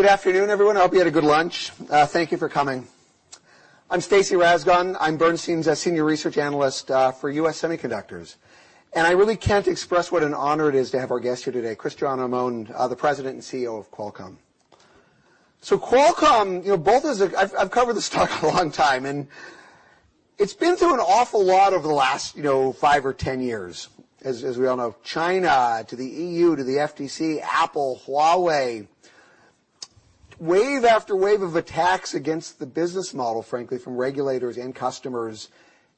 Good afternoon, everyone. I hope you had a good lunch. Thank you for coming. I'm Stacy Rasgon. I'm Bernstein's senior research analyst for U.S. Semiconductors, and I really can't express what an honor it is to have our guest here today, Cristiano Amon, the President and CEO of Qualcomm. So Qualcomm, you know, I've covered the stock a long time, and it's been through an awful lot over the last, you know, five or 10 years. As we all know, China to the EU, to the FTC, Apple, Huawei. Wave after wave of attacks against the business model, frankly, from regulators and customers.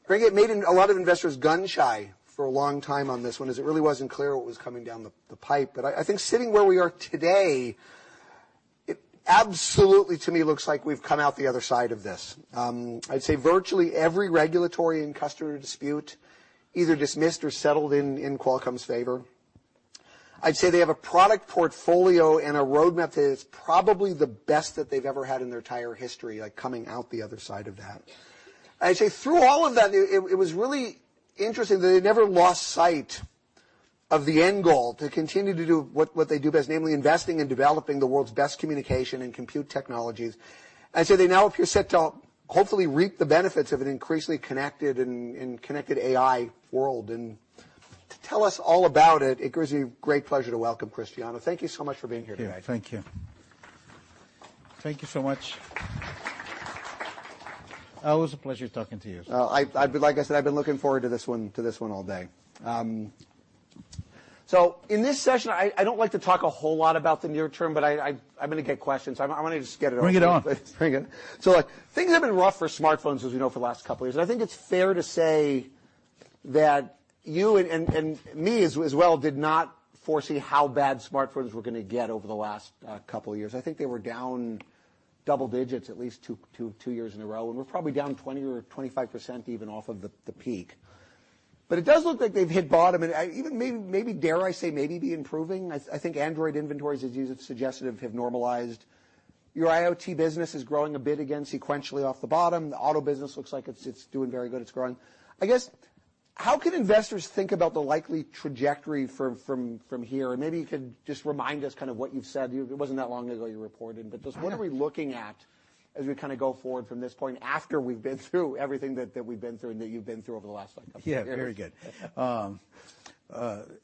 I think it made a lot of investors gun-shy for a long time on this one, as it really wasn't clear what was coming down the pipe. But I think sitting where we are today, it absolutely, to me, looks like we've come out the other side of this. I'd say virtually every regulatory and customer dispute, either dismissed or settled in Qualcomm's favor. I'd say they have a product portfolio and a roadmap that is probably the best that they've ever had in their entire history, like, coming out the other side of that. I'd say through all of that, it was really interesting that they never lost sight of the end goal, to continue to do what they do best, namely investing and developing the world's best communication and compute technologies. I'd say they now appear set to hopefully reap the benefits of an increasingly connected and connected AI world, and to tell us all about it, it gives me great pleasure to welcome Cristiano. Thank you so much for being here today. Thank you. Thank you. Thank you so much. It was a pleasure talking to you. Like I said, I've been looking forward to this one, to this one all day. So in this session, I don't like to talk a whole lot about the near term, but I'm gonna get questions. I wanna just get it over with. Bring it on. Bring it. So, look, things have been rough for smartphones, as we know, for the last couple years, and I think it's fair to say that you and me as well did not foresee how bad smartphones were gonna get over the last couple years. I think they were down double digits at least two years in a row, and we're probably down 20% or 25% even off of the peak. But it does look like they've hit bottom, and I even maybe, dare I say, maybe be improving. I think Android inventories, as you have suggested, have normalized. Your IoT business is growing a bit again, sequentially off the bottom. The auto business looks like it's doing very good. It's growing. I guess, how can investors think about the likely trajectory from here? Maybe you could just remind us kind of what you've said. It wasn't that long ago you reported. All right. But just what are we looking at as we kind of go forward from this point, after we've been through everything that we've been through and that you've been through over the last, like, couple years? Yeah, very good.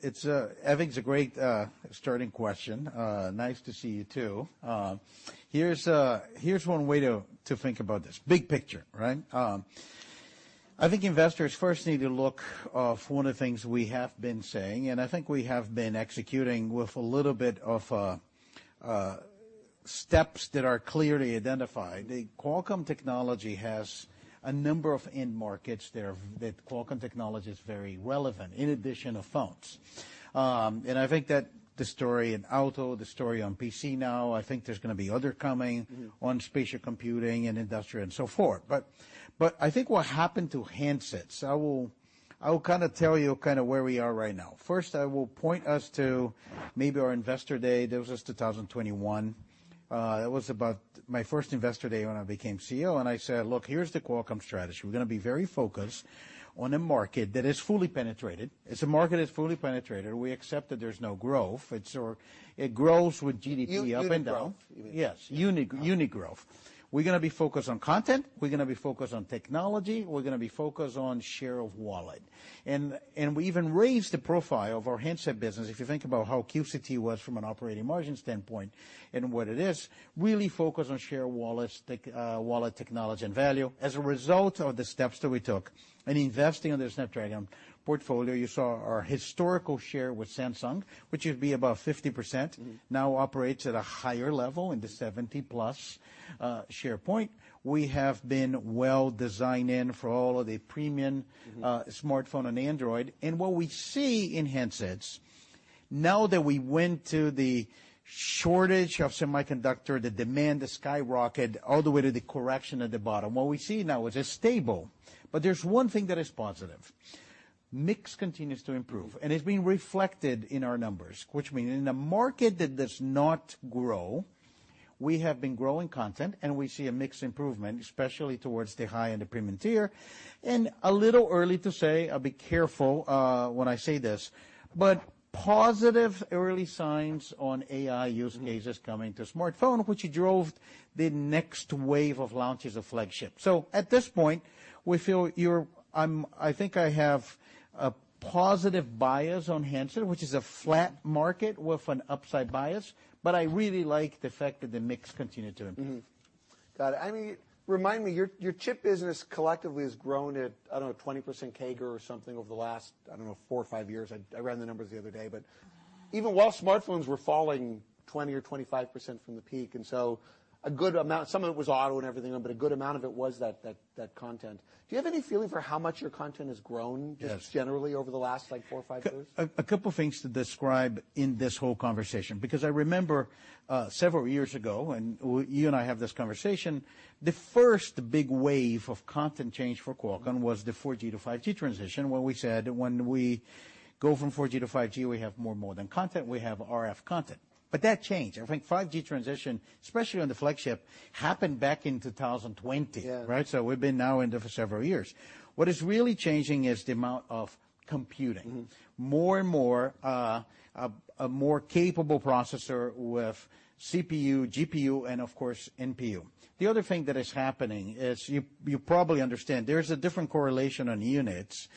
It's, I think it's a great starting question. Nice to see you, too. Here's one way to think about this. Big picture, right? I think investors first need to look for the things we have been saying, and I think we have been executing with a little bit of steps that are clearly identified. The Qualcomm technology has a number of end markets there, that Qualcomm technology is very relevant, in addition to phones. And I think that the story in auto, the story on PC now, I think there's gonna be other coming- Mm-hmm... on spatial computing and industrial and so forth. But I think what happened to handsets, I will kind of tell you kind of where we are right now. First, I will point us to maybe our Investor Day. That was just 2021. It was about my first Investor Day when I became CEO, and I said: "Look, here's the Qualcomm strategy. We're gonna be very focused on a market that is fully penetrated. It's a market that's fully penetrated. We accept that there's no growth. It's or it grows with GDP up and down. Uni-unit growth. Yes, unit growth. We're gonna be focused on content. We're gonna be focused on technology. We're gonna be focused on share of wallet. And we even raised the profile of our handset business. If you think about how QCT was from an operating margin standpoint and what it is, really focused on share of wallets, tech, wallet technology, and value. As a result of the steps that we took and investing in the Snapdragon portfolio, you saw our historical share with Samsung, which would be about 50%- Mm-hmm... now operates at a higher level in the 70+, share point. We have been well designed in for all of the premium- Mm-hmm... smartphone and Android. And what we see in handsets, now that we went to the shortage of semiconductor, the demand, the skyrocket, all the way to the correction at the bottom, what we see now is it's stable, but there's one thing that is positive. Mix continues to improve, and it's being reflected in our numbers, which mean in a market that does not grow, we have been growing content, and we see a mix improvement, especially towards the high end and premium tier. And a little early to say, I'll be careful when I say this, but positive early signs on AI use cases- Mm-hmm... coming to smartphone, which drove the next wave of launches of flagship. So at this point, we feel you're, I think I have a positive bias on handset, which is a flat market with an upside bias, but I really like the fact that the mix continued to improve. Mm-hmm. Got it. I mean, remind me, your, your chip business collectively has grown at, I don't know, 20% CAGR or something over the last, I don't know, four or five years. I, I ran the numbers the other day. But even while smartphones were falling 20% or 25% from the peak, and so a good amount—some of it was auto and everything, but a good amount of it was that, that, that content. Do you have any feeling for how much your content has grown— Yes... just generally over the last, like, four or five years? A couple things to describe in this whole conversation, because I remember several years ago, and you and I have this conversation, the first big wave of content change for Qualcomm was the 4G to 5G transition, where we said when we go from 4G to 5G, we have more modem content, we have RF content. But that changed. I think 5G transition, especially on the flagship, happened back in 2020. Yeah. Right? So we've been now in there for several years. What is really changing is the amount of computing. Mm-hmm. More and more, a more capable processor with CPU, GPU, and of course, NPU. The other thing that is happening is you probably understand there's a different correlation on units.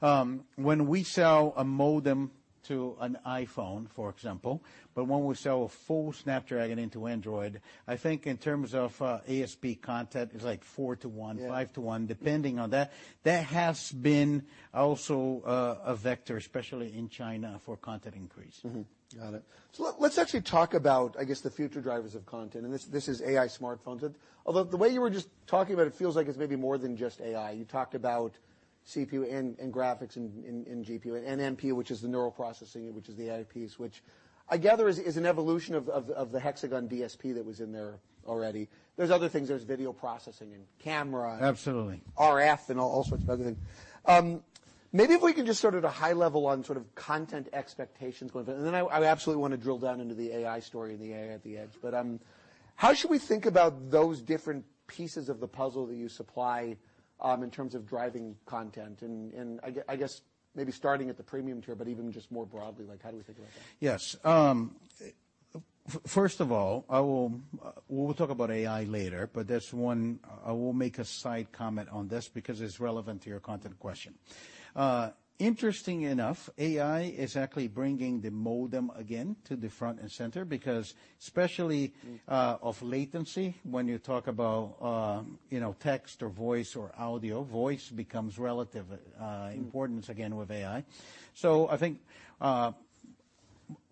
When we sell a modem to an iPhone, for example, but when we sell a full Snapdragon into Android, I think in terms of ASP content, it's like 4 to 1- Yeah. -five to one, depending on that. That has been also a vector, especially in China, for content increase. Mm-hmm. Got it. So let's actually talk about, I guess, the future drivers of content, and this is AI smartphones. Although the way you were just talking about it feels like it's maybe more than just AI. You talked about CPU and graphics and GPU and NPU, which is the neural processing, which is the added piece, which I gather is an evolution of the Hexagon DSP that was in there already. There's other things. There's video processing and camera- Absolutely... RF and all, all sorts of other things. Maybe if we can just sort of at a high level on sort of content expectations a little bit, and then I, I absolutely want to drill down into the AI story and the AI at the edge. But, how should we think about those different pieces of the puzzle that you supply, in terms of driving content? And, and I guess maybe starting at the premium tier, but even just more broadly, like, how do we think about that? Yes. First of all, I will... we'll talk about AI later, but there's—I will make a side comment on this because it's relevant to your content question. Interestingly enough, AI is actually bringing the modem again to the front and center because especially of latency, when you talk about, you know, text or voice or audio, voice becomes relative importance again with AI. So I think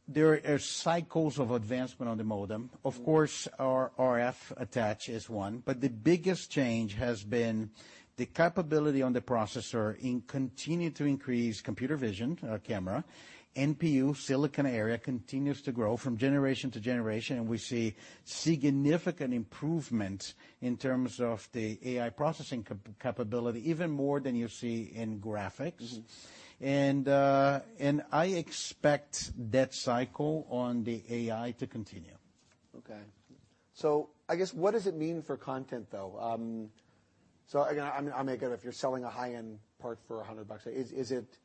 there are cycles of advancement on the modem. Of course, our RF attach is one, but the biggest change has been the capability on the processor in continue to increase computer vision, camera. NPU, silicon area continues to grow from generation to generation, and we see significant improvement in terms of the AI processing capability, even more than you see in graphics. Mm-hmm. And I expect that cycle on the AI to continue. Okay. So I guess, what does it mean for content, though? So, again, I mean, if you're selling a high-end part for $100, is it...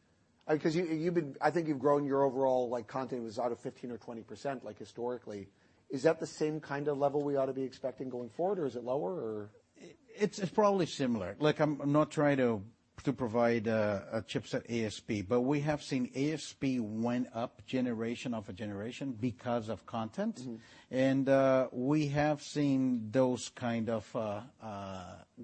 'Cause you, you've been- I think you've grown your overall, like, content was out of 15% or 20%, like historically. Is that the same kind of level we ought to be expecting going forward, or is it lower, or? It's probably similar. Like, I'm not trying to provide a chipset ASP, but we have seen ASP went up generation after generation because of content. Mm-hmm. We have seen those kind of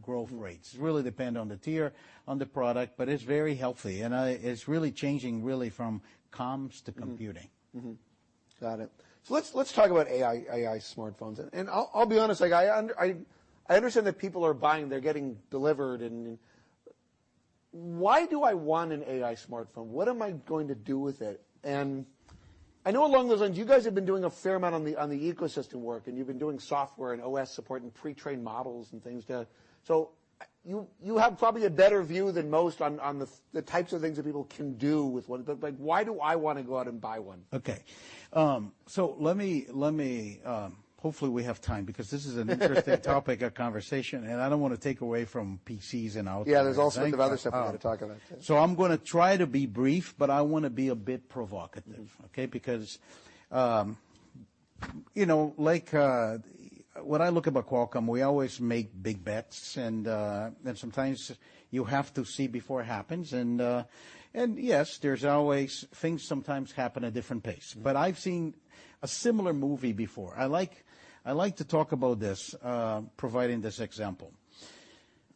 growth rates. Mm-hmm. Really depend on the tier, on the product, but it's very healthy, and it's really changing from comms to computing. Mm-hmm. Mm-hmm. Got it. So let's talk about AI, AI smartphones. And I'll be honest, like, I, I understand that people are buying, they're getting delivered and... Why do I want an AI smartphone? What am I going to do with it? And I know along those lines, you guys have been doing a fair amount on the ecosystem work, and you've been doing software and OS support and pre-trained models and things. So you have probably a better view than most on the types of things that people can do with one. But, like, why do I want to go out and buy one? Okay. So let me... Hopefully, we have time because this is an interesting topic of conversation, and I don't want to take away from PCs and outside. Yeah, there's all sorts of other stuff we gotta talk about. So I'm gonna try to be brief, but I want to be a bit provocative, okay? Because, you know, like, when I look about Qualcomm, we always make big bets, and sometimes you have to see before it happens. And yes, there's always things sometimes happen at different pace, but I've seen a similar movie before. I like, I like to talk about this, providing this example.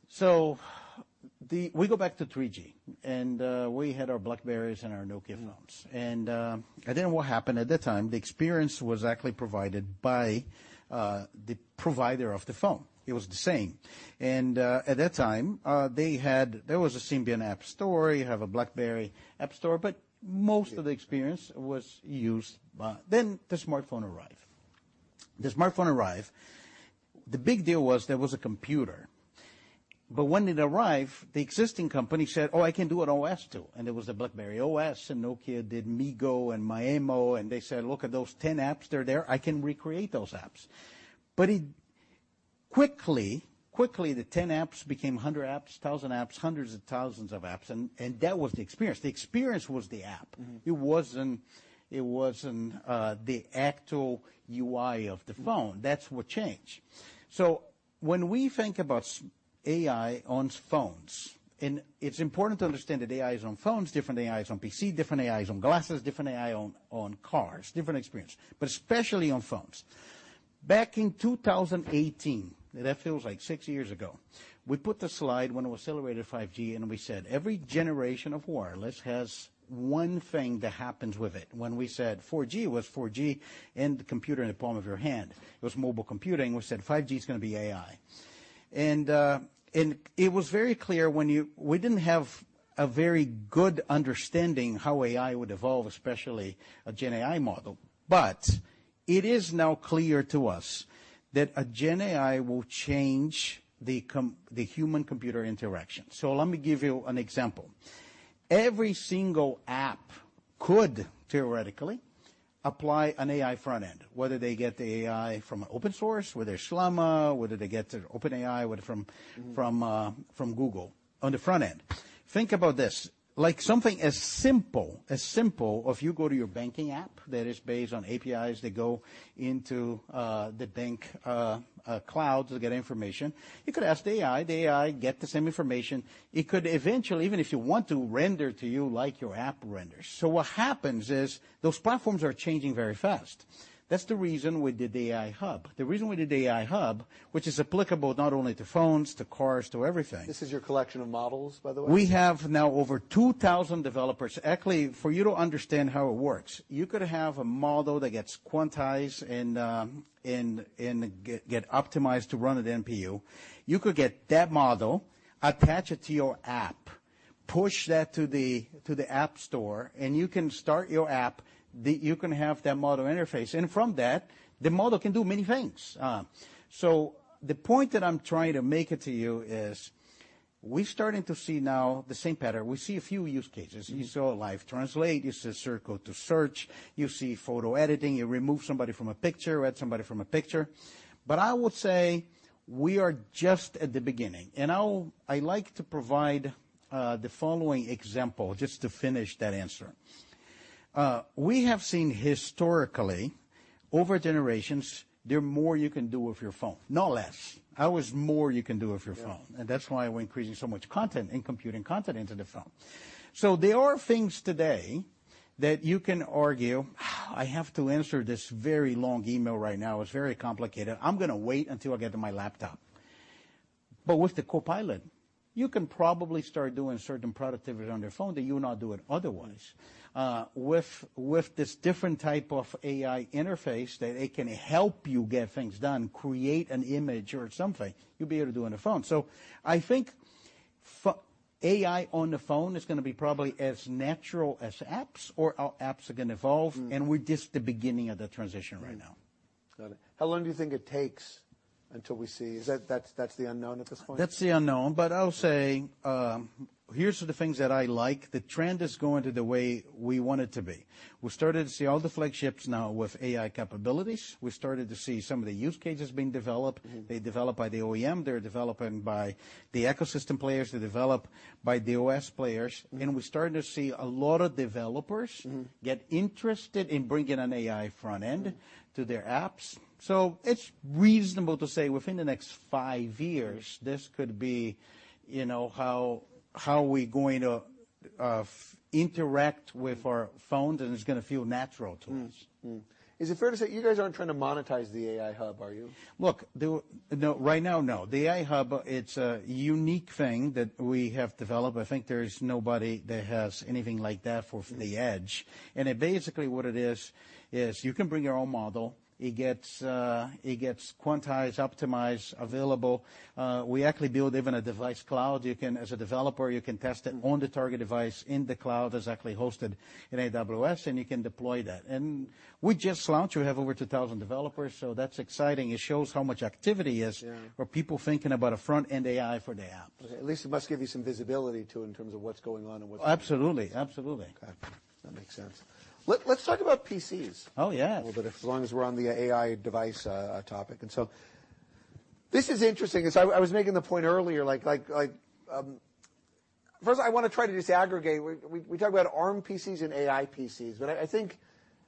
So we go back to 3G, and we had our BlackBerrys and our Nokia phones. Mm. And then what happened at that time, the experience was actually provided by the provider of the phone. It was the same. And at that time, there was a Symbian app store, you have a BlackBerry app store, but most of the experience was used by... Then the smartphone arrived. The smartphone arrived. The big deal was there was a computer, but when it arrived, the existing company said, "Oh, I can do an OS, too." And there was a BlackBerry OS, and Nokia did MeeGo and Maemo, and they said, "Look at those 10 apps. They're there. I can recreate those apps." But it quickly, quickly, the 10 apps became 100 apps, 1,000 apps, hundreds of thousands of apps, and that was the experience. The experience was the app. Mm-hmm. It wasn't the actual UI of the phone. Mm-hmm. That's what changed. So when we think about AI on phones, and it's important to understand that AI is on phones, different AI is on PC, different AI is on glasses, different AI on cars, different experience, but especially on phones. Back in 2018, that feels like six years ago, we put the slide when it was celebrated 5G, and we said, "Every generation of wireless has one thing that happens with it." When we said 4G, was 4G, and the computer in the palm of your hand. It was mobile computing. We said, "5G is gonna be AI." And it was very clear when we didn't have a very good understanding how AI would evolve, especially a Gen AI model. But it is now clear to us that a Gen AI will change the human-computer interaction. So let me give you an example. Every single app could theoretically apply an AI front end, whether they get the AI from an open source, whether Llama, whether they get their OpenAI, whether from- Mm-hmm... from, from Google on the front end. Think about this, like something as simple, if you go to your banking app that is based on APIs that go into the bank cloud to get information, you could ask the AI. The AI get the same information. It could eventually, even if you want to, render to you like your app renders. So what happens is those platforms are changing very fast. That's the reason we did the AI Hub. The reason we did the AI Hub, which is applicable not only to phones, to cars, to everything- This is your collection of models, by the way? We have now over 2,000 developers. Actually, for you to understand how it works, you could have a model that gets quantized and get optimized to run at NPU. You could get that model, attach it to your app, push that to the app store, and you can start your app. You can have that model interface, and from that, the model can do many things. So the point that I'm trying to make it to you is, we're starting to see now the same pattern. We see a few use cases. Mm-hmm. You saw Live Translate, you saw Circle to Search, you see photo editing, you remove somebody from a picture, add somebody from a picture. But I would say we are just at the beginning, and I like to provide the following example just to finish that answer. We have seen historically, over generations, there are more you can do with your phone, not less. Always more you can do with your phone- Yeah. And that's why we're increasing so much content and computing content into the phone. So there are things today that you can argue, "I have to answer this very long email right now. It's very complicated. I'm gonna wait until I get to my laptop." But with the Copilot, you can probably start doing certain productivity on your phone that you would not do it otherwise. With this different type of AI interface, that it can help you get things done, create an image or something, you'll be able to do on the phone. So I think AI on the phone is gonna be probably as natural as apps or, or apps are gonna evolve- Mm. And we're just at the beginning of the transition right now. Got it. How long do you think it takes until we see...? Is that, that's the unknown at this point? That's the unknown, but I'll say, here are the things that I like. The trend is going to the way we want it to be. We started to see all the flagships now with AI capabilities. We started to see some of the use cases being developed. Mm-hmm. They're developed by the OEM, they're developed by the ecosystem players, they're developed by the OS players. Mm. and we're starting to see a lot of developers Mm-hmm... get interested in bringing an AI front end to their apps. So it's reasonable to say, within the next five years- Mm... this could be, you know, how we're going to interact with our phones, and it's gonna feel natural to us. Is it fair to say you guys aren't trying to monetize the AI Hub, are you? Look, no. Right now, no. The AI Hub, it's a unique thing that we have developed. I think there's nobody that has anything like that for the edge. And it basically, what it is, is you can bring your own model. It gets, it gets quantized, optimized, available. We actually build even a device cloud. You can, as a developer, you can test it on the target device in the cloud that's actually hosted in AWS, and you can deploy that. And we just launched. We have over 2,000 developers, so that's exciting. It shows how much activity is- Yeah... where people thinking about a front-end AI for their apps. At least it must give you some visibility, too, in terms of what's going on and what- Absolutely. Absolutely. Okay, that makes sense. Let's talk about PCs- Oh, yeah... a little bit, as long as we're on the AI device topic. And so this is interesting. So I, I was making the point earlier, like, like, like, first I want to try to just aggregate. We, we talked about ARM PCs and AI PCs, but I, I think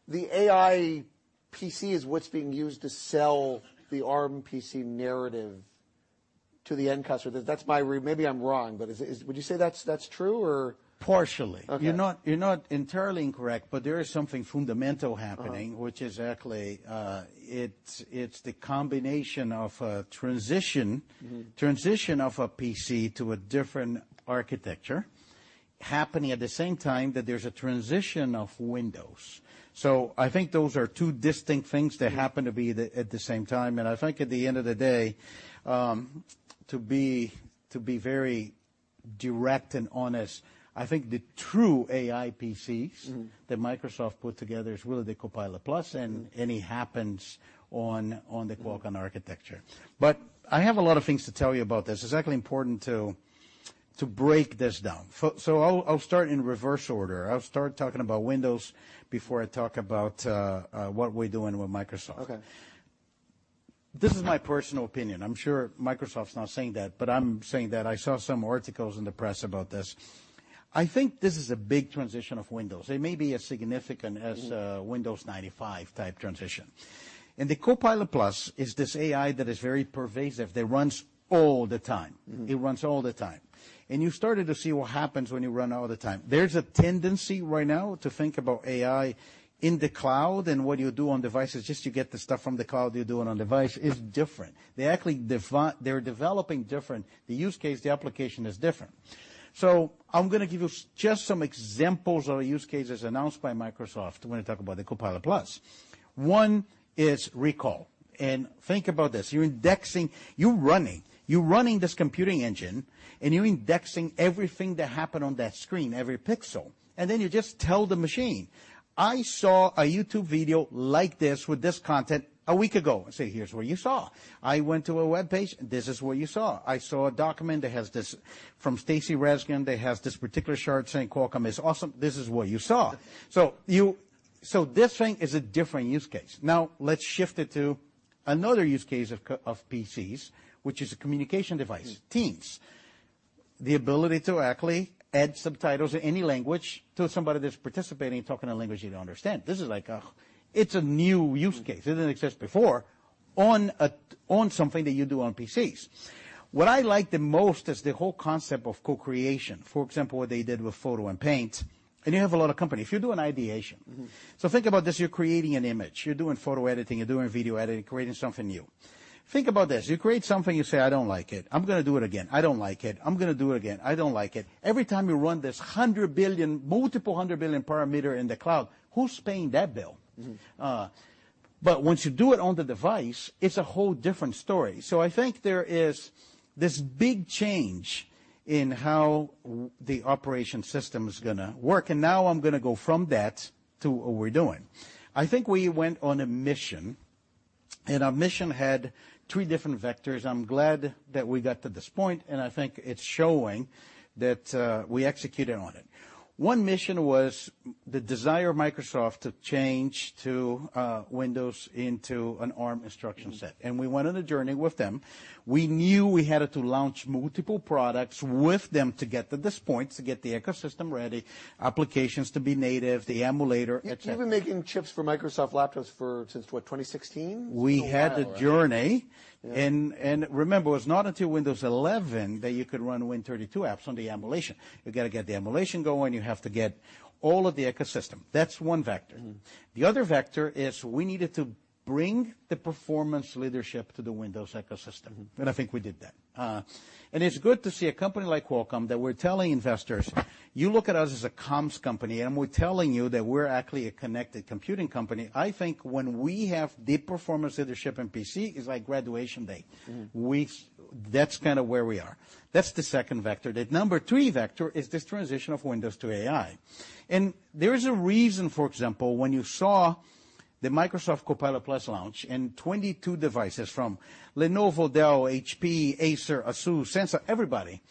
the AI PC is what's being used to sell the ARM PC narrative to the end customer. That's my re... Maybe I'm wrong, but is it-- would you say that's, that's true, or? Partially. Okay. You're not, you're not entirely incorrect, but there is something fundamental happening- Uh-huh... which is actually, it's the combination of a transition- Mm-hmm... transition of a PC to a different architecture, happening at the same time that there's a transition of Windows. So I think those are two distinct things that happen to be at the same time, and I think at the end of the day, to be very direct and honest, I think the true AI PCs- Mm-hmm... that Microsoft put together is really the Copilot+ and it happens on the Qualcomm architecture. But I have a lot of things to tell you about this. It's actually important to break this down. So I'll start in reverse order. I'll start talking about Windows before I talk about what we're doing with Microsoft. Okay. This is my personal opinion. I'm sure Microsoft's not saying that, but I'm saying that I saw some articles in the press about this. I think this is a big transition of Windows. It may be as significant as- Mm... Windows 95-type transition. And the Copilot+ is this AI that is very pervasive, that runs all the time. Mm-hmm. It runs all the time. And you started to see what happens when you run all the time. There's a tendency right now to think about AI in the cloud, and what you do on devices, just you get the stuff from the cloud you're doing on device, is different. They're actually developing different. The use case, the application is different. So I'm gonna give you just some examples of the use cases announced by Microsoft when I talk about the Copilot+. One is Recall, and think about this. You're indexing, you're running, you're running this computing engine, and you're indexing everything that happened on that screen, every pixel. And then you just tell the machine, "I saw a YouTube video like this with this content a week ago." It say, "Here's what you saw." "I went to a web page." "This is what you saw." "I saw a document that has this, from Stacy Rasgon, that has this particular chart saying Qualcomm is awesome." "This is what you saw." So this thing is a different use case. Now, let's shift it to another use case of PCs, which is a communication device. Mm. Teams. The ability to actually add subtitles in any language to somebody that's participating, talking a language you don't understand. This is like, it's a new use case- Mm It didn't exist before, on something that you do on PCs. What I like the most is the whole concept of co-creation, for example, what they did with Photos and Paint, and you have a lot of company. If you're doing ideation- Mm-hmm. Think about this: you're creating an image, you're doing photo editing, you're doing video editing, creating something new. Think about this. You create something, you say, "I don't like it. I'm gonna do it again. I don't like it. I'm gonna do it again. I don't like it." Every time you run this 100 billion, multiple 100 billion parameter in the cloud, who's paying that bill? Mm-hmm. But once you do it on the device, it's a whole different story. So I think there is this big change in how the operating system is gonna work, and now I'm gonna go from that to what we're doing. I think we went on a mission, and our mission had three different vectors. I'm glad that we got to this point, and I think it's showing that we executed on it. One mission was the desire of Microsoft to change to Windows into an Arm instruction set. Mm-hmm. We went on a journey with them. We knew we had to launch multiple products with them to get to this point, to get the ecosystem ready, applications to be native, the emulator, et cetera. You've been making chips for Microsoft laptops for, since what? 2016? We had a journey-... Yeah. remember, it was not until Windows 11 that you could run Win32 apps on the emulation. You gotta get the emulation going, you have to get all of the ecosystem. That's one vector. Mm-hmm. The other vector is, we needed to bring the performance leadership to the Windows ecosystem. Mm-hmm. I think we did that. It's good to see a company like Qualcomm, that we're telling investors: "You look at us as a comms company, and we're telling you that we're actually a connected computing company." I think when we have the performance leadership in PC, it's like graduation day. Mm-hmm. That's kind of where we are. That's the second vector. The number three vector is this transition of Windows to AI. And there is a reason, for example, when you saw the Microsoft Copilot+ launch and 22 devices from Lenovo, Dell, HP, Acer, Asus, Samsung, everybody,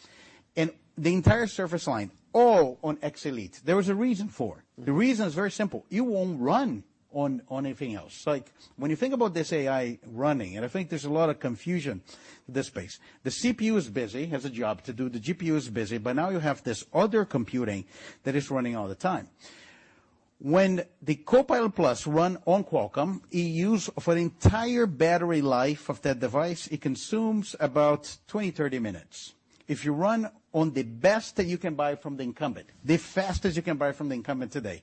and the entire Surface line, all on X Elite. There was a reason for it. Mm. The reason is very simple: it won't run on, on anything else. Like, when you think about this AI running, and I think there's a lot of confusion in this space, the CPU is busy, has a job to do, the GPU is busy, but now you have this other computing that is running all the time. When the Copilot+ run on Qualcomm, it use, for an entire battery life of that device, it consumes about 20-30 minutes. If you run on the best that you can buy from the incumbent, the fastest you can buy from the incumbent today,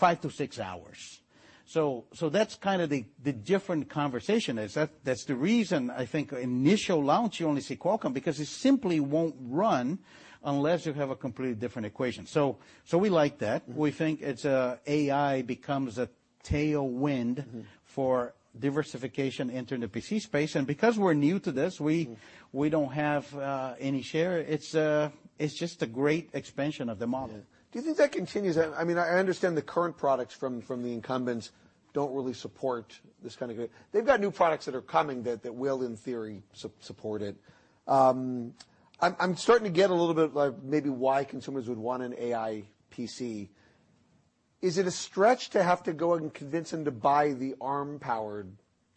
5-6 hours. So, so that's kind of the, the different conversation is. That, that's the reason I think initial launch you only see Qualcomm, because it simply won't run unless you have a completely different equation. So, so we like that. Mm. We think its AI becomes a tailwind- Mm... for diversification into the PC space, and because we're new to this- Mm... we don't have any share. It's just a great expansion of the model. Yeah. Do you think that continues? I mean, I understand the current products from the incumbents don't really support this kind of... They've got new products that are coming that will, in theory, support. I'm starting to get a little bit of, like, maybe why consumers would want an AI PC. Is it a stretch to have to go and convince them to buy the Arm-powered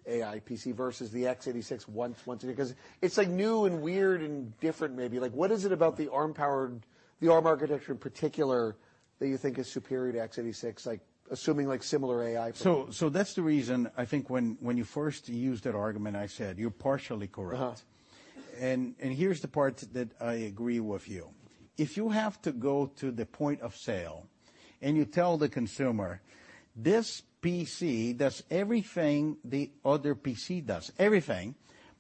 AI PC versus the x86 one once again? 'Cause it's, like, new and weird and different, maybe. Like, what is it about the Arm-powered, the Arm architecture in particular, that you think is superior to x86? Like, assuming, like, similar AI- So that's the reason, I think, when you first used that argument, I said, "You're partially correct. Uh-huh. And here's the part that I agree with you. If you have to go to the point of sale, and you tell the consumer, "This PC does everything the other PC does, everything,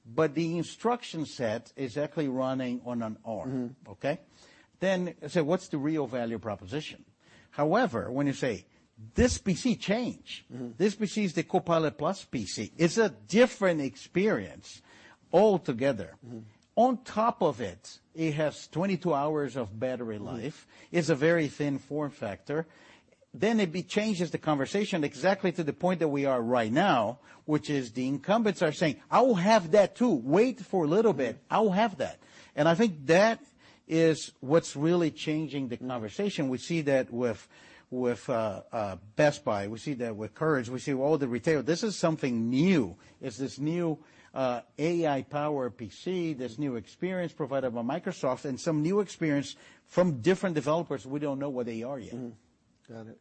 but the instruction set is actually running on an Arm- Mm-hmm. Okay?" Then say, "What's the real value proposition?" However, when you say, "This PC change- Mm-hmm. This PC is the Copilot+ PC, it's a different experience altogether. Mm-hmm. On top of it, it has 22 hours of battery life- Mm-hmm... it's a very thin form factor." Then it changes the conversation exactly to the point that we are right now, which is the incumbents are saying, "I will have that too. Wait for a little bit. I will have that." And I think that is what's really changing the conversation. We see that with Best Buy, we see that with Currys, we see all the retailer. This is something new. It's this new AI-powered PC, this new experience provided by Microsoft, and some new experience from different developers, we don't know where they are yet. Mm-hmm. Got it.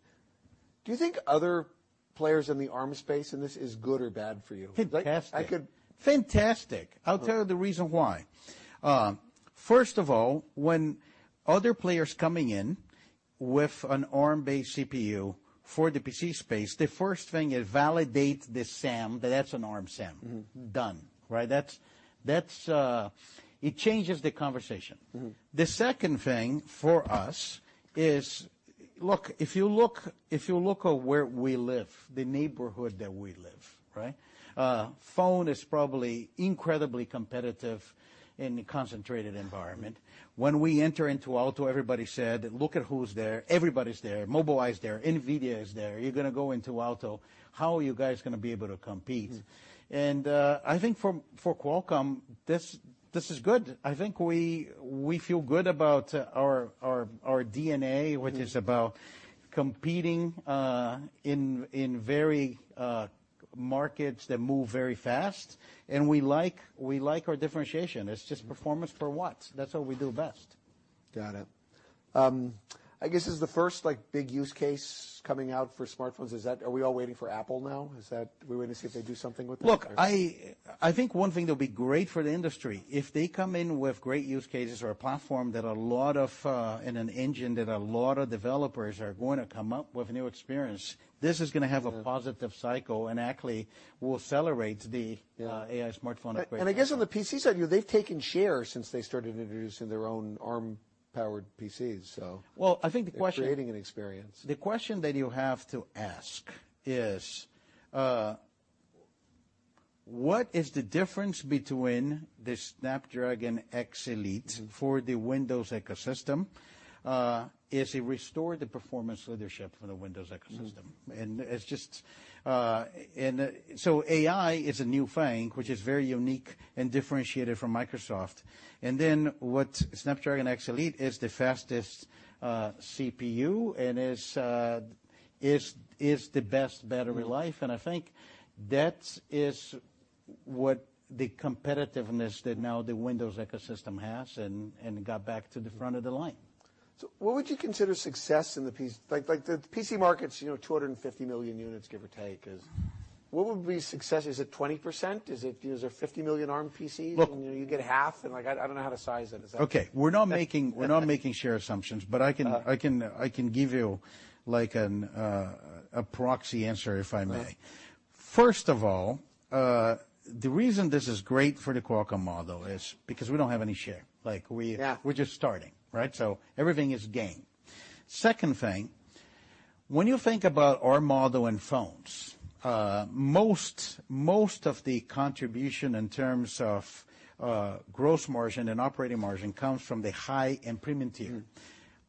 Do you think other players in the Arm space, and this is good or bad for you? Fantastic! I could- Fantastic. Okay. I'll tell you the reason why. First of all, when other players coming in with an Arm-based CPU for the PC space, the first thing it validates the SAM, that, that's an Arm SAM. Mm-hmm. Done, right? That's. It changes the conversation. Mm-hmm. The second thing, for us, is... Look, if you look, if you look at where we live, the neighborhood that we live, right? Phone is probably incredibly competitive in a concentrated environment. When we enter into auto, everybody said, "Look at who's there. Everybody's there. Mobileye is there. NVIDIA is there. You're gonna go into auto, how are you guys gonna be able to compete? Mm. I think for Qualcomm, this is good. I think we feel good about our DNA- Mm... which is about competing in very markets that move very fast, and we like, we like our differentiation. It's just performance for watts. That's what we do best. Got it. I guess, is the first, like, big use case coming out for smartphones, is that... Are we all waiting for Apple now? Is that... we're waiting to see if they do something with that? Look, I think one thing that'll be great for the industry, if they come in with great use cases or a platform that a lot of, and an engine that a lot of developers are going to come up with a new experience, this is gonna have- Yeah... a positive cycle, and actually will accelerate the- Yeah AI smartphone upgrade. And I guess on the PC side, they've taken shares since they started introducing their own Arm-powered PCs, so- Well, I think the question- They're creating an experience. The question that you have to ask is, what is the difference between the Snapdragon X Elite for the Windows ecosystem? Is it restore the performance leadership for the Windows ecosystem- Mm. and it's just. And so AI is a new thing, which is very unique and differentiated from Microsoft. And then what Snapdragon X Elite is the fastest CPU and is the best battery life. Mm. I think that is what the competitiveness that now the Windows ecosystem has, and it got back to the front of the line. So what would you consider success in the PC? Like, like, the PC market's, you know, 250 million units, give or take, is... What would be success? Is it 20%? Is it, is it 50 million Arm PCs- Look- you get half, and like, I don't know how to size it. Is that- Okay, we're not making share assumptions, but I can- Uh... I can, I can give you, like, an, a proxy answer, if I may. Yeah. First of all, the reason this is great for the Qualcomm model is because we don't have any share. Like, we- Yeah... we're just starting, right? So everything is gain. Second thing, when you think about our model in phones, most of the contribution in terms of gross margin and operating margin comes from the high-end premium tier. Mm.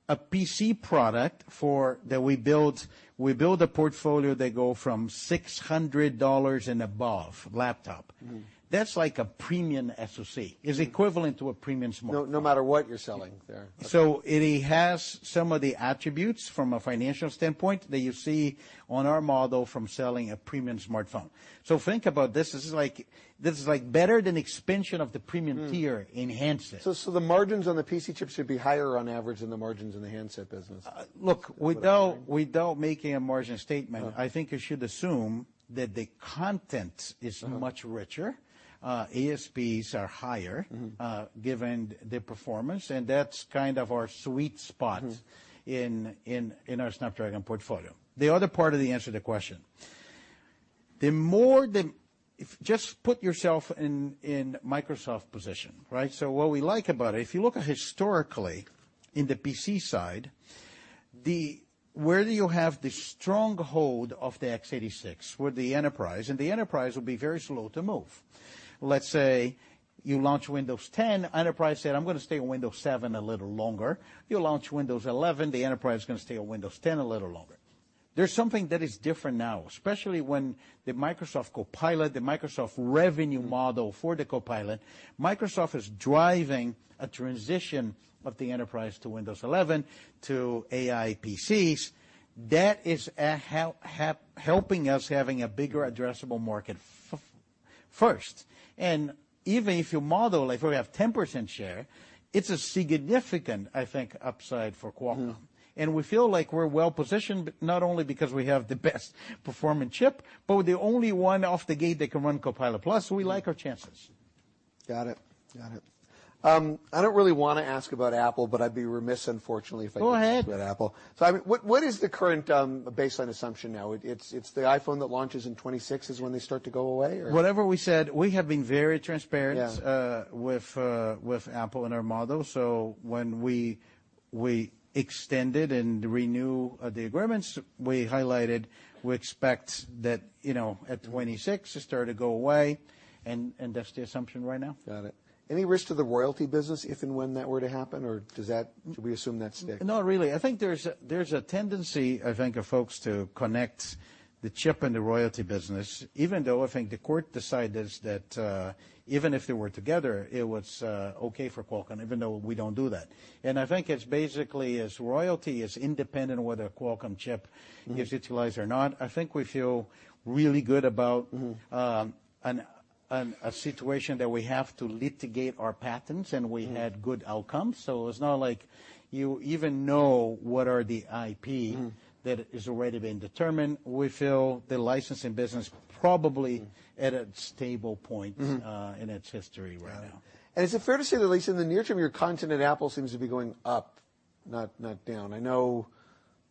A PC product for that we build, we build a portfolio that go from $600 and above, laptop. Mm. That's like a premium SoC. Mm. Is equivalent to a premium smartphone. No, no matter what you're selling there. Okay. So it has some of the attributes from a financial standpoint that you see on our model from selling a premium smartphone. So think about this, this is like, this is, like, better than expansion of the premium tier- Mm - in handsets. So, the margins on the PC chips should be higher on average than the margins in the handset business? Look, without making a margin statement- Uh... I think you should assume that the content is- Mm... much richer, ASPs are higher- Mm-hmm... given the performance, and that's kind of our sweet spot- Mm ...in our Snapdragon portfolio. The other part of the answer to the question, the more the... Just put yourself in Microsoft's position, right? So what we like about it, if you look historically in the PC side, where you have the stronghold of the x86, where the enterprise, and the enterprise will be very slow to move. Let's say you launch Windows 10, enterprise said, "I'm gonna stay on Windows 7 a little longer." You launch Windows 11, the enterprise is gonna stay on Windows 10 a little longer. There's something that is different now, especially when the Microsoft Copilot, the Microsoft revenue model- Mm... for the Copilot, Microsoft is driving a transition of the enterprise to Windows 11, to AI PCs. That is helping us having a bigger addressable market first. And even if you model, like, we have 10% share, it's a significant, I think, upside for Qualcomm. Mm. We feel like we're well positioned, but not only because we have the best performing chip, but we're the only one off the gate that can run Copilot+, so we like our chances. Got it. Got it. I don't really wanna ask about Apple, but I'd be remiss, unfortunately, if I didn't- Go ahead... ask about Apple. So I mean, what is the current baseline assumption now? It's the iPhone that launches in 2026 is when they start to go away, or? Whatever we said, we have been very transparent- Yeah... with Apple in our model. So when we extended and renew the agreements, we highlighted, we expect that, you know- Mm... at 2026, it starts to go away, and that's the assumption right now. Got it. Any risk to the royalty business, if and when that were to happen, or does that- Mm. Do we assume that stays? Not really. I think there's a tendency, I think, of folks to connect the chip and the royalty business, even though I think the court decided that even if they were together, it was okay for Qualcomm, even though we don't do that. And I think it's basically is royalty is independent, whether Qualcomm chip- Mm... is utilized or not. I think we feel really good about- Mm-hmm... a situation that we have to litigate our patents, and we- Mm... had good outcomes. So it's not like you even know what are the IP- Mm... that is already been determined. We feel the licensing business probably- Mm... at a stable point- Mm... in its history right now. Got it. And is it fair to say that at least in the near term, your content at Apple seems to be going up, not, not down? I know...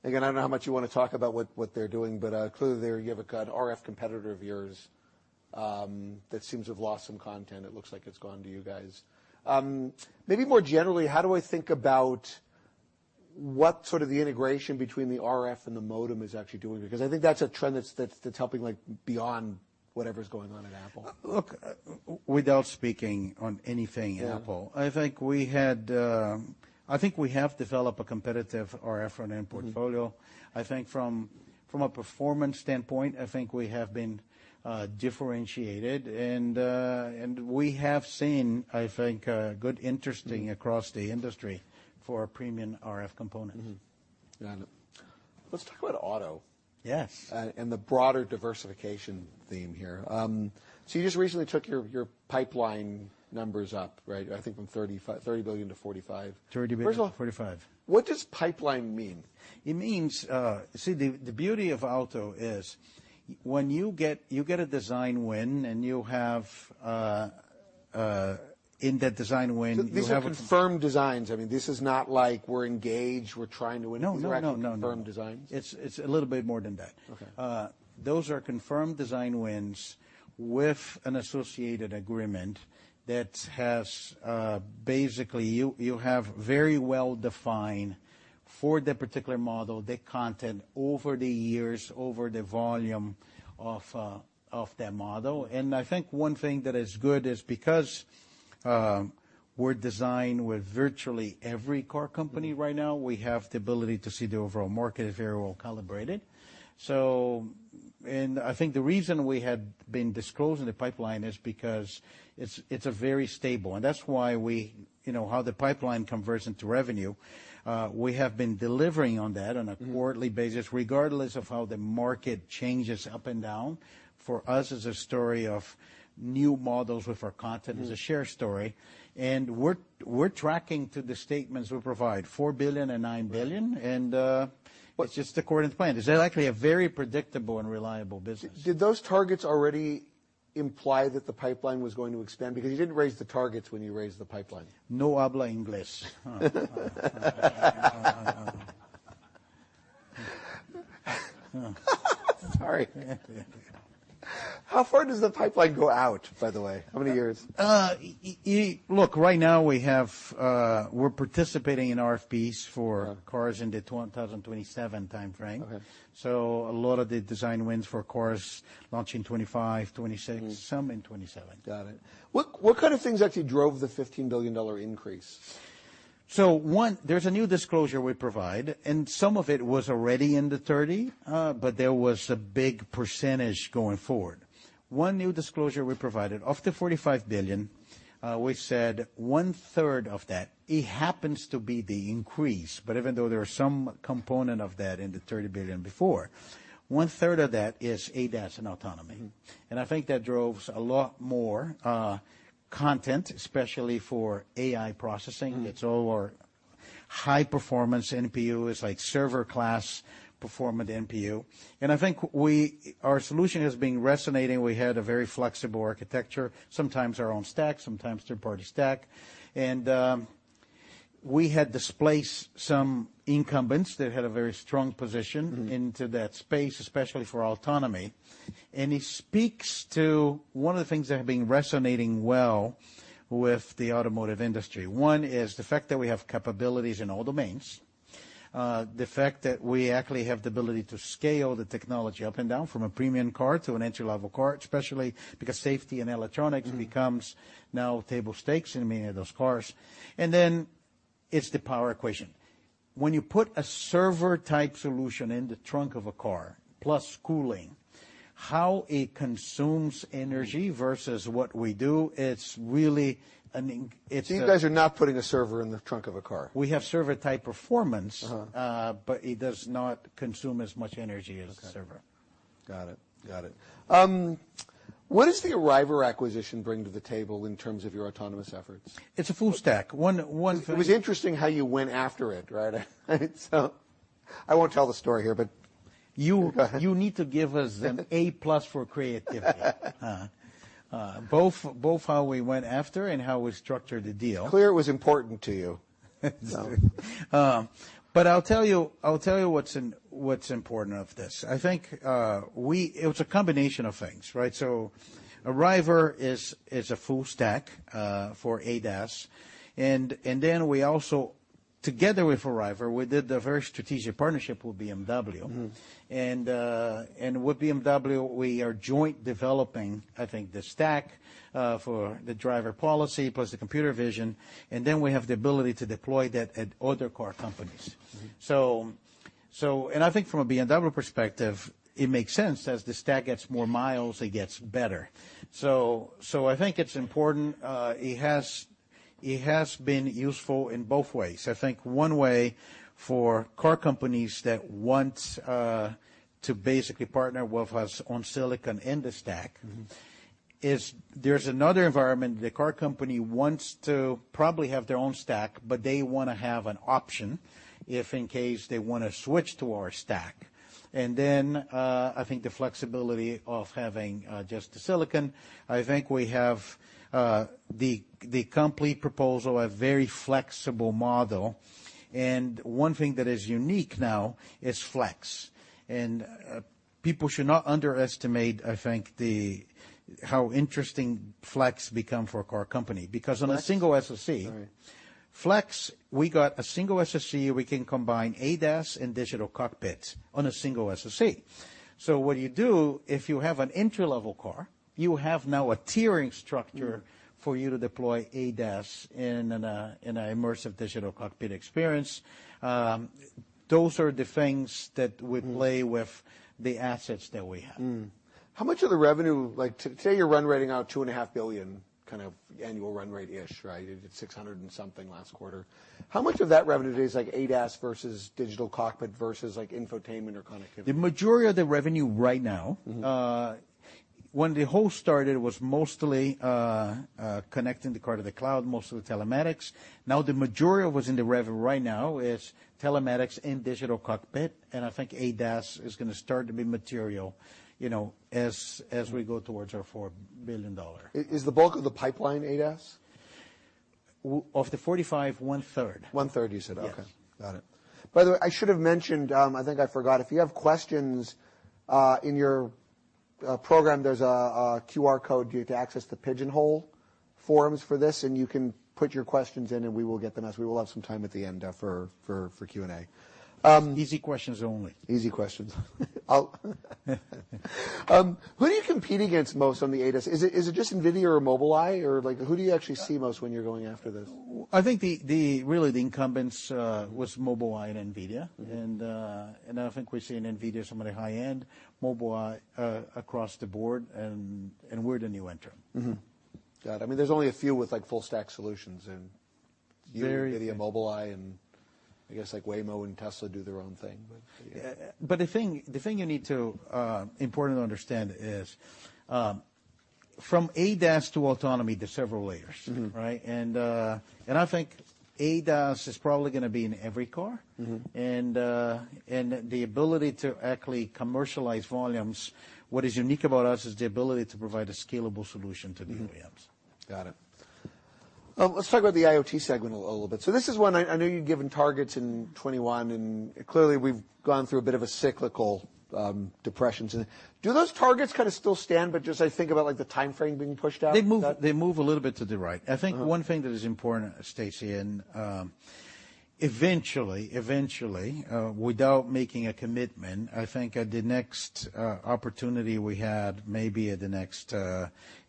Again, I don't know how much you want to talk about what they're doing, but clearly, you have a RF competitor of yours that seems to have lost some content. It looks like it's gone to you guys. Maybe more generally, how do I think about what sort of the integration between the RF and the modem is actually doing? Because I think that's a trend that's helping, like, beyond whatever is going on at Apple. Look, without speaking on anything Apple- Yeah... I think we have developed a competitive RF front-end portfolio. Mm. I think from a performance standpoint, I think we have been differentiated, and we have seen, I think, a good interesting- Mm... across the industry for our premium RF components. Mm-hmm... Yeah. Let's talk about auto- Yes and the broader diversification theme here. So you just recently took your pipeline numbers up, right? I think from $30 billion to $45 billion. Thirty billion- First of all- Forty-five. What does pipeline mean? It means, see, the beauty of auto is when you get a design win, and you have, in that design win, you have a- These are confirmed designs. I mean, this is not like we're engaged, we're trying to win. No, no, no, no, no. These are actually confirmed designs? It's a little bit more than that. Okay. Those are confirmed design wins with an associated agreement that has basically you have very well defined, for the particular model, the content over the years, over the volume of that model. I think one thing that is good is because we're designed with virtually every car company right now, we have the ability to see the overall market very well calibrated. I think the reason we have been disclosing the pipeline is because it's a very stable, and that's why we, you know, how the pipeline converts into revenue, we have been delivering on that on a- Mm... quarterly basis, regardless of how the market changes up and down. For us, it's a story of new models with our content- Mm... It's a share story, and we're tracking to the statements we provide, $4 billion and $9 billion. Right. It's just according to plan. It's actually a very predictable and reliable business. Did those targets already imply that the pipeline was going to expand? Because you didn't raise the targets when you raised the pipeline. No habla English. Sorry. How far does the pipeline go out, by the way? How many years? Look, right now, we have, we're participating in RFPs for- Uh... cars in the 2027 time frame. Okay. So a lot of the design wins for cars launch in 2025, 2026- Mm. some in 2027. Got it. What, what kind of things actually drove the $15 billion increase? So one, there's a new disclosure we provide, and some of it was already in the $30 billion, but there was a big percentage going forward. One new disclosure we provided, of the $45 billion, we said one third of that, it happens to be the increase, but even though there are some component of that in the $30 billion before, one third of that is ADAS and autonomy. Mm-hmm. I think that drove a lot more content, especially for AI processing. Mm-hmm. It's all our high-performance NPU. It's like server class performance NPU, and I think we our solution has been resonating. We had a very flexible architecture, sometimes our own stack, sometimes third-party stack, and we had displaced some incumbents that had a very strong position- Mm-hmm... into that space, especially for autonomy. It speaks to one of the things that have been resonating well with the automotive industry. One is the fact that we have capabilities in all domains, the fact that we actually have the ability to scale the technology up and down from a premium car to an entry-level car, especially because safety and electronics- Mm... becomes now table stakes in many of those cars. And then it's the power equation. When you put a server-type solution in the trunk of a car, plus cooling, how it consumes energy- Mm... versus what we do, it's really a- So you guys are not putting a server in the trunk of a car? We have server-type performance- Uh-huh... but it does not consume as much energy as a server. Okay. Got it. Got it. What does the Arriver acquisition bring to the table in terms of your autonomous efforts? It's a full stack. One, one- It was interesting how you went after it, right? So I won't tell the story here, but- You- Go ahead... you need to give us an A+ for creativity. Both how we went after and how we structured the deal. Clearly it was important to you. But I'll tell you, I'll tell you what's in, what's important of this. I think, It was a combination of things, right? So Arriver is a full stack for ADAS, and then we also, together with Arriver, we did a very strategic partnership with BMW. Mm-hmm. And, and with BMW, we are joint developing, I think, the stack, for the driver policy, plus the computer vision, and then we have the ability to deploy that at other car companies. Mm-hmm. I think from a BMW perspective, it makes sense. As the stack gets more miles, it gets better. I think it's important. It has been useful in both ways. I think one way for car companies that want to basically partner with us on silicon in the stack- Mm-hmm... is there's another environment. The car company wants to probably have their own stack, but they wanna have an option if in case they wanna switch to our stack. And then, I think the flexibility of having just the silicon. I think we have the complete proposal, a very flexible model. And one thing that is unique now is Flex, and people should not underestimate, I think, how interesting Flex become for a car company. Flex? Because on a single SoC- Sorry... Flex, we got a single SoC. We can combine ADAS and digital cockpit on a single SoC. So what you do, if you have an entry-level car, you have now a tiering structure- Mm. -for you to deploy ADAS in an, in an immersive digital cockpit experience. Those are the things that we play- Mm with the assets that we have. How much of the revenue, like, today you're run rating out $2.5 billion, kind of annual run rate-ish, right? It's $600-something last quarter. How much of that revenue is, like, ADAS versus Digital Cockpit versus, like, infotainment or connectivity? The majority of the revenue right now- Mm-hmm ... when the whole started, was mostly connecting the car to the cloud, most of the telematics. Now, the majority of what's in the revenue right now is telematics and digital cockpit, and I think ADAS is gonna start to be material, you know, as we go towards our $4 billion. Is the bulk of the pipeline ADAS? of the 45, 1/3. 1/3 you said. Yes. Okay, got it. By the way, I should have mentioned, I think I forgot, if you have questions, in your program, there's a QR code for you to access the Pigeonhole forums for this, and you can put your questions in, and we will get them as we will have some time at the end, for Q&A. Easy questions only. Easy questions. Who do you compete against most on the ADAS? Is it, is it just NVIDIA or Mobileye, or, like, who do you actually see most when you're going after this? I think, really, the incumbents was Mobileye and NVIDIA. Mm-hmm. I think we're seeing NVIDIA somewhere high end, Mobileye, across the board, and we're the new entrant. Mm-hmm. Got it. I mean, there's only a few with, like, full stack solutions, and- Very- NVIDIA, Mobileye, and I guess, like, Waymo and Tesla do their own thing, but yeah. But the thing you need to important to understand is, from ADAS to autonomy, there's several layers. Mm-hmm. Right? And I think ADAS is probably gonna be in every car. Mm-hmm. The ability to actually commercialize volumes, what is unique about us is the ability to provide a scalable solution to the OEMs. Mm-hmm. Got it. Let's talk about the IoT segment a little bit. So this is one I know you've given targets in 2021, and clearly, we've gone through a bit of a cyclical depressions, and do those targets kind of still stand, but just, I think about, like, the time frame being pushed out? They move, they move a little bit to the right. Uh. I think one thing that is important, Stacy, and eventually, without making a commitment, I think at the next opportunity we have, maybe at the next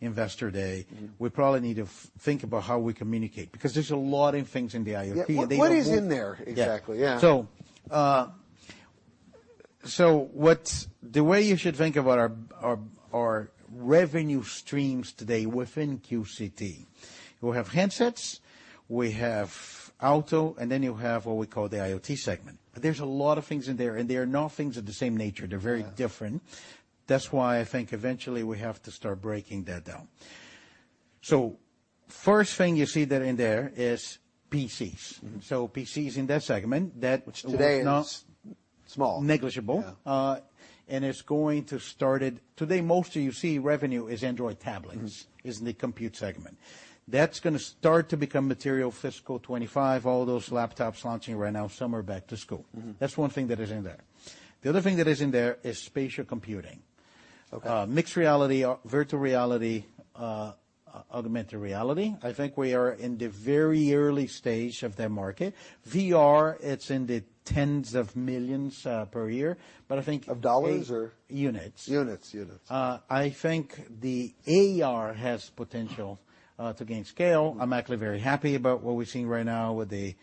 investor day- Mm-hmm... we probably need to think about how we communicate, because there's a lot of things in the IoT, and they all- Yeah. What is in there, exactly? Yeah. Yeah. The way you should think about our revenue streams today within QCT, we have handsets, we have auto, and then you have what we call the IoT segment. There's a lot of things in there, and they are not things of the same nature. They're very- Yeah... different. That's why I think eventually we have to start breaking that down. First thing you see that in there is PCs. Mm-hmm. So PCs in that segment, that which today is- Today is small.... negligible. Yeah. And it's going to start it. Today, mostly you see revenue is Android tablets- Mm... is in the compute segment. That's gonna start to become material fiscal 2025, all those laptops launching right now, summer back to school. Mm-hmm. That's one thing that is in there. The other thing that is in there is spatial computing. Okay. Mixed reality, virtual reality, augmented reality. I think we are in the very early stage of that market. VR, it's in the tens of millions per year. But I think- Of dollars or? Units. Units, units. I think the AR has potential to gain scale. Mm. I'm actually very happy about what we're seeing right now with the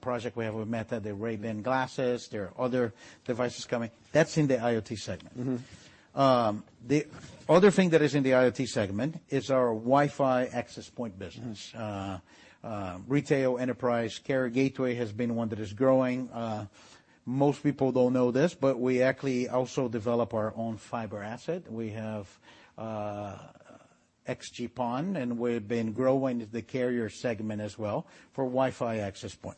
project we have with Meta, the Ray-Ban glasses. There are other devices coming. That's in the IoT segment. Mm-hmm. The other thing that is in the IoT segment is our Wi-Fi access point business. Yeah. Retail, enterprise, carrier gateway has been one that is growing. Most people don't know this, but we actually also develop our own fiber asset. We have XG-PON, and we've been growing the carrier segment as well for Wi-Fi access point.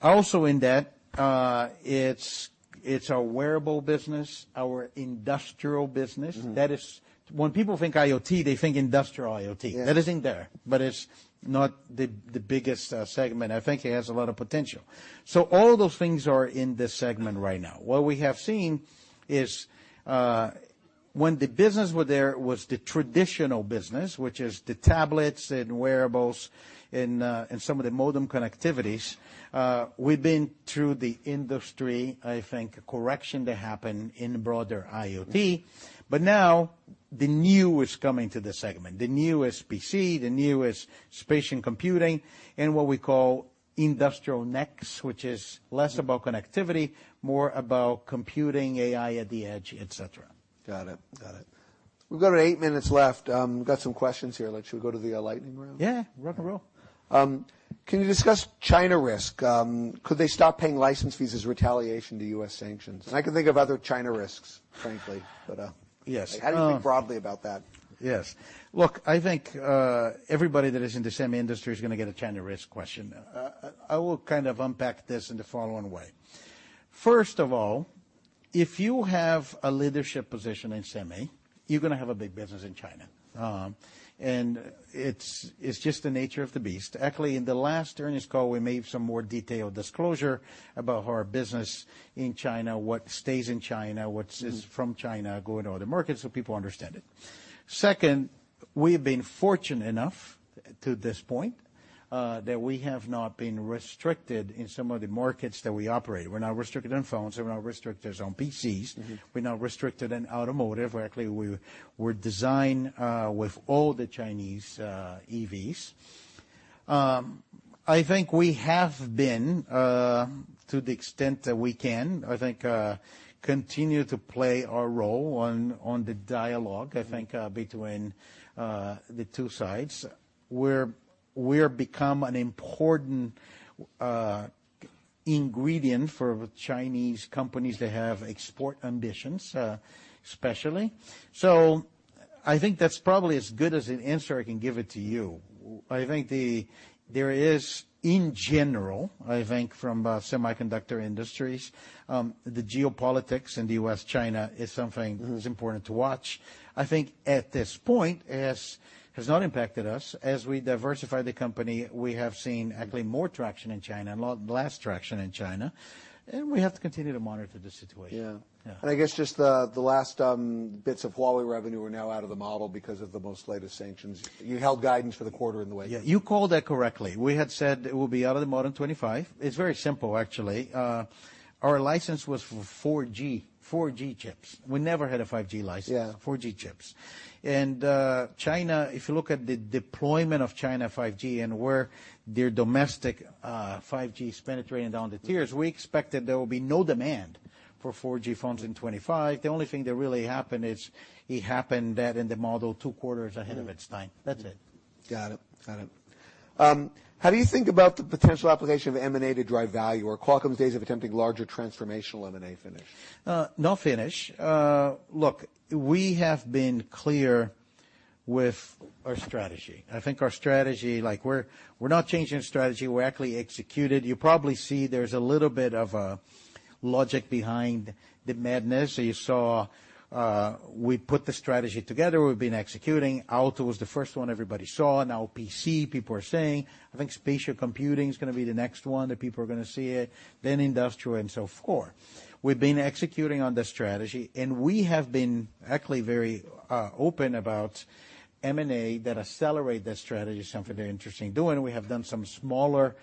Also in that, it's our wearable business, our industrial business. Mm. That is, when people think IoT, they think industrial IoT. Yeah. That is in there, but it's not the biggest segment. I think it has a lot of potential. So all those things are in this segment right now. What we have seen is, when the business were there, was the traditional business, which is the tablets and wearables and some of the modem connectivities. We've been through the industry, I think, correction to happen in broader IoT. Mm. But now, the new is coming to the segment. The new is PC, the new is spatial computing, and what we call industrial NEX, which is- Mm... less about connectivity, more about computing, AI at the edge, et cetera. Got it. Got it. We've got 8 minutes left. We've got some questions here. Like, should we go to the lightning round? Yeah, rock and roll. Can you discuss China risk? Could they stop paying license fees as retaliation to U.S. sanctions? And I can think of other China risks, frankly, but Yes. How do you think broadly about that? Yes. Look, I think, everybody that is in the semi industry is gonna get a China risk question. I will kind of unpack this in the following way. First of all, if you have a leadership position in semi, you're gonna have a big business in China. And it's just the nature of the beast. Actually, in the last earnings call, we made some more detailed disclosure about our business in China, what stays in China. Mm... what is from China, going to other markets, so people understand it. Second, we've been fortunate enough to this point that we have not been restricted in some of the markets that we operate. We're not restricted on phones, and we're not restricted on PCs. Mm-hmm. We're not restricted in automotive. Actually, we're designed with all the Chinese EVs. I think we have been, to the extent that we can, I think, continue to play our role on the dialogue, I think, between the two sides, where we're become an important ingredient for Chinese companies that have export ambitions, especially. So I think that's probably as good as an answer I can give it to you. I think there is, in general, I think from a semiconductor industries, the geopolitics in the US, China, is something- Mm-hmm... that is important to watch. I think at this point, it has not impacted us. As we diversify the company, we have seen actually more traction in China and lot less traction in China, and we have to continue to monitor the situation. Yeah. Yeah. I guess just the last bits of Huawei revenue are now out of the model because of the most latest sanctions. You held guidance for the quarter in the way. Yeah, you called that correctly. We had said it will be out of the model in 2025. It's very simple, actually. Our license was for 4G, 4G chips. We never had a 5G license. Yeah. 4G chips. And, China, if you look at the deployment of China 5G and where their domestic 5G is penetrating down the tiers, we expect that there will be no demand for 4G phones in 2025. The only thing that really happened is it happened that in the model two quarters ahead of its time. Mm. That's it. Got it. Got it. How do you think about the potential application of M&A to drive value, or Qualcomm's days of attempting larger transformational M&A finished? Look, we have been clear with our strategy. I think our strategy, like, we're, we're not changing strategy. We're actually executed. You probably see there's a little bit of a logic behind the madness. So you saw, we put the strategy together. We've been executing. Auto was the first one everybody saw. Now PC, people are saying, "I think spatial computing is gonna be the next one, that people are gonna see it, then industrial, and so forth." We've been executing on the strategy, and we have been actually very, open about M&A that accelerate that strategy, something very interesting doing. We have done some smaller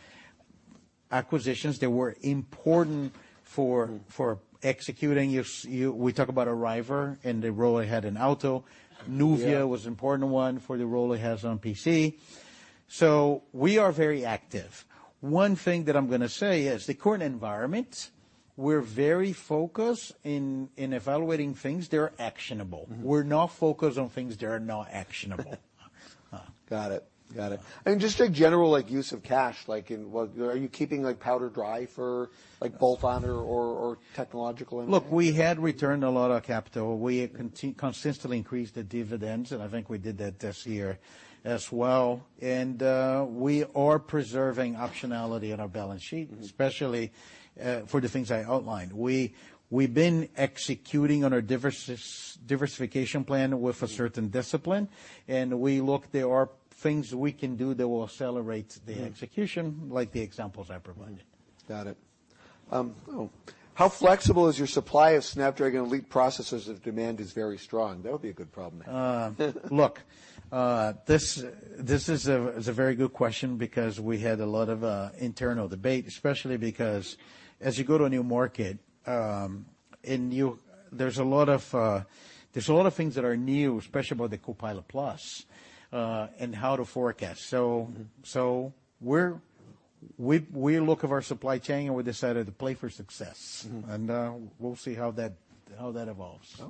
acquisitions that were important for- Mm ... for executing. We talk about Arriver and the role it had in auto. Yeah. Nuvia was important one for the role it has on PC. So we are very active. One thing that I'm gonna say is the current environment, we're very focused in evaluating things that are actionable. Mm-hmm. We're not focused on things that are not actionable. Got it. Got it. And just a general, like, use of cash, like, in what... Are you keeping, like, powder dry for, like, bolt-on or technological innovation? Look, we had returned a lot of capital. We had consistently increased the dividends, and I think we did that this year as well. And, we are preserving optionality on our balance sheet- Mm-hmm... especially, for the things I outlined. We've been executing on a diversification plan with- Mm... a certain discipline, and we look, there are things that we can do that will accelerate the execution- Mm... like the examples I provided. Got it. How flexible is your supply of Snapdragon Elite processors if demand is very strong? That would be a good problem to have. Look, this is a very good question because we had a lot of internal debate, especially because as you go to a new market, and there's a lot of things that are new, especially about the Copilot+, and how to forecast. Mm-hmm. So, we look at our supply chain, and we decided to play for success. Mm-hmm. We'll see how that evolves.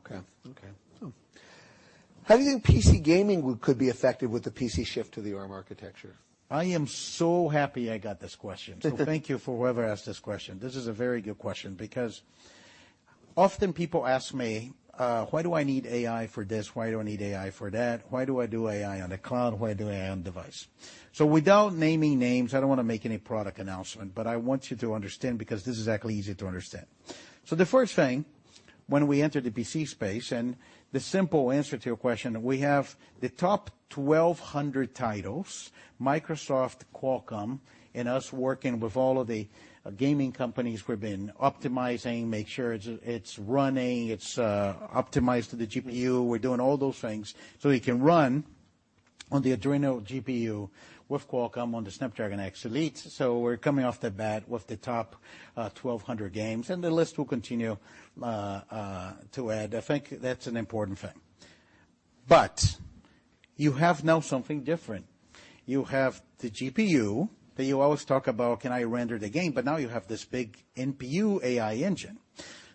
How do you think PC gaming could be affected with the PC shift to the Arm architecture? I am so happy I got this question. So thank you for whoever asked this question. This is a very good question because often people ask me: why do I need AI for this? Why do I need AI for that? Why do I do AI on the cloud? Why do AI on device? So without naming names, I don't wanna make any product announcement, but I want you to understand because this is actually easy to understand. So the first thing, when we enter the PC space, and the simple answer to your question, we have the top 1,200 titles, Microsoft, Qualcomm, and us working with all of the gaming companies, we've been optimizing, make sure it's running, it's optimized to the GPU. We're doing all those things so it can run on the Adreno GPU with Qualcomm, on the Snapdragon X Elite. So we're coming off the bat with the top 1,200 games, and the list will continue to add. I think that's an important thing. But you have now something different. You have the GPU that you always talk about, "Can I render the game?" But now you have this big NPU AI engine.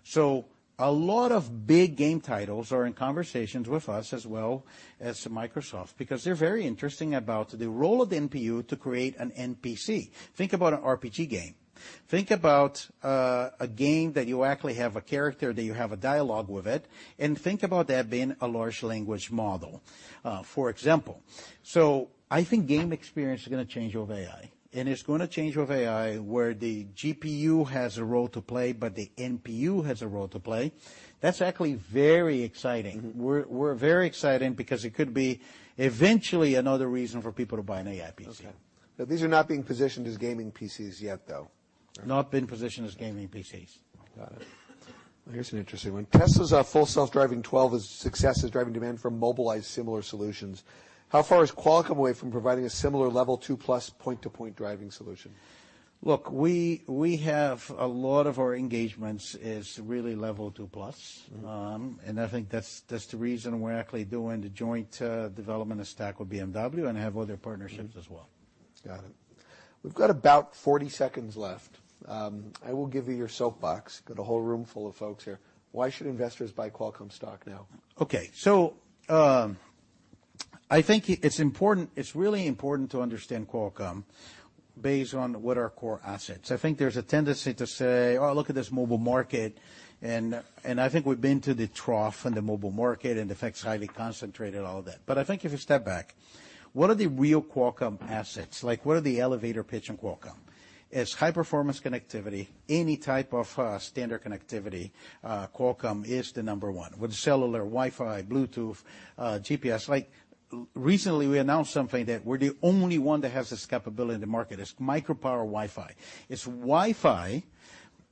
So a lot of big game titles are in conversations with us, as well as Microsoft, because they're very interesting about the role of the NPU to create an NPC. Think about an RPG game. Think about a game that you actually have a character, that you have a dialogue with it, and think about that being a large language model, for example. I think game experience is gonna change over AI, and it's gonna change over AI, where the GPU has a role to play, but the NPU has a role to play. That's actually very exciting. Mm-hmm. We're very excited because it could be eventually another reason for people to buy an AI PC. Okay. But these are not being positioned as gaming PCs yet, though? Not been positioned as gaming PCs. Got it.... Here's an interesting one. Tesla's Full Self-Driving 12's success is driving demand for Mobileye's similar solutions. How far is Qualcomm away from providing a similar Level 2+ point-to-point driving solution? Look, we have a lot of our engagements is really Level 2+. Mm-hmm. I think that's the reason we're actually doing the joint development of stack with BMW and have other partnerships as well. Mm-hmm. Got it. We've got about 40 seconds left. I will give you your soapbox. Got a whole room full of folks here. Why should investors buy Qualcomm stock now? Okay, so I think it's important, it's really important to understand Qualcomm based on what are our core assets. I think there's a tendency to say, "Oh, look at this mobile market," and I think we've been to the trough in the mobile market, and the fact it's highly concentrated and all of that. But I think if you step back, what are the real Qualcomm assets? Like, what are the elevator pitch in Qualcomm? It's high-performance connectivity. Any type of standard connectivity, Qualcomm is the number one, whether cellular, Wi-Fi, Bluetooth, GPS. Like, recently, we announced something that we're the only one that has this capability in the market. It's micro-power Wi-Fi. It's Wi-Fi,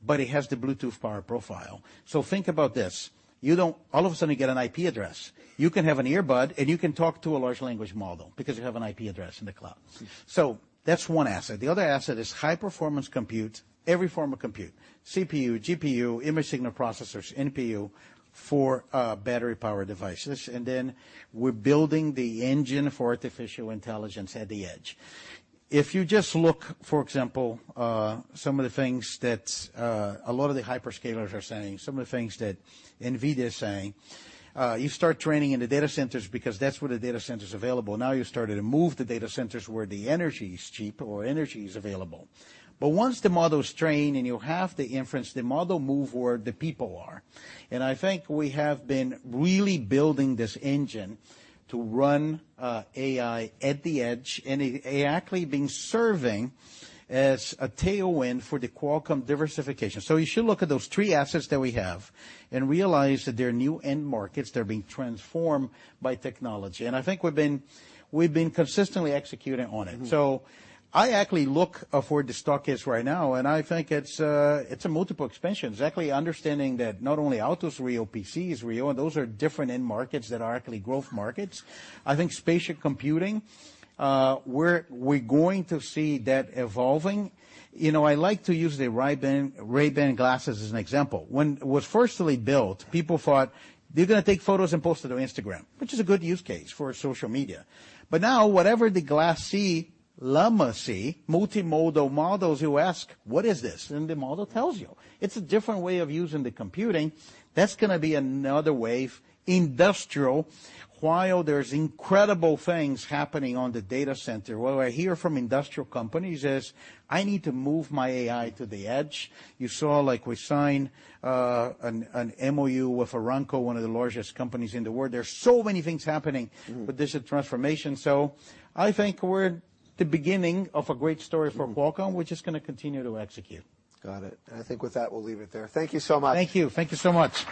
but it has the Bluetooth power profile. So think about this: You don't all of a sudden get an IP address. You can have an earbud, and you can talk to a large language model because you have an IP address in the cloud. Mm. So that's one asset. The other asset is high-performance compute, every form of compute: CPU, GPU, image signal processors, NPU for battery-powered devices, and then we're building the engine for artificial intelligence at the edge. If you just look, for example, some of the things that a lot of the hyperscalers are saying, some of the things that NVIDIA is saying, you start training in the data centers because that's where the data center's available. Now, you're starting to move the data centers where the energy is cheap or energy is available. But once the model's trained and you have the inference, the model move where the people are, and I think we have been really building this engine to run AI at the edge, and it's actually been serving as a tailwind for the Qualcomm diversification. You should look at those three assets that we have and realize that they're new end markets. They're being transformed by technology, and I think we've been, we've been consistently executing on it. Mm-hmm. So I actually look where the stock is right now, and I think it's a multiple expansion. It's actually understanding that not only autos is real, PC is real, and those are different end markets that are actually growth markets. I think spatial computing, we're going to see that evolving. You know, I like to use the Ray-Ban, Ray-Ban glasses as an example. When it was firstly built, people thought they're gonna take photos and post it on Instagram, which is a good use case for social media. But now whatever the glass see, Llama see, multimodal models, you ask, "What is this?" And the model tells you. It's a different way of using the computing. That's gonna be another wave. Industrial, while there's incredible things happening on the data center, what I hear from industrial companies is, "I need to move my AI to the edge." You saw, like, we signed an MOU with Aramco, one of the largest companies in the world. There are so many things happening. Mm. with this transformation, so I think we're at the beginning of a great story for Qualcomm. Mm. We're just gonna continue to execute. Got it, and I think with that, we'll leave it there. Thank you so much. Thank you. Thank you so much.